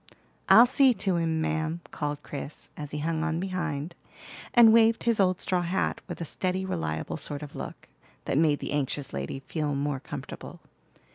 "I'll see to him, ma'am," called Chris, as he hung on behind, and waved his old straw hat, with a steady, reliable sort of look, that made the anxious lady feel more comfortable.